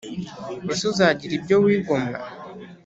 ese uzagira ibyo wigomwa